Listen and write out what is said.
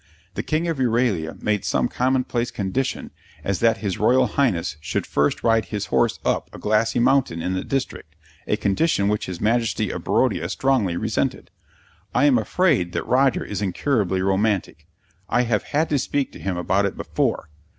The King of Euralia made some commonplace condition as that his Royal Highness should first ride his horse up a glassy mountain in the district, a condition which his Majesty of Barodia strongly resented. I am afraid that Roger is incurably romantic; I have had to speak to him about it before.